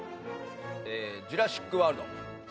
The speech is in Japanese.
ええ『ジュラシック・ワールド』。